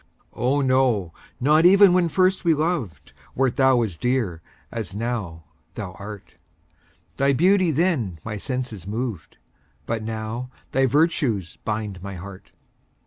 Oh, no not even when first we loved, Wert thou as dear as now thou art; Thy beauty then my senses moved, But now thy virtues bind my heart.